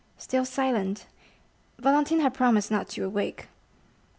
Still silent: Valentine had promised not to wake.